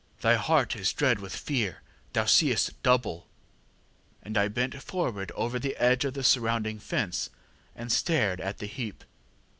thy heart is dead with fear, thou seest double; ŌĆÖ and I bent forward over the edge of the surrounding fence, and stared at the heap.